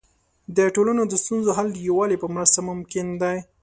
د ټولنې د ستونزو حل د یووالي په مرسته ممکن دی.